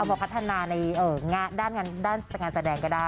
มาพัฒนาในด้านงานแสดงก็ได้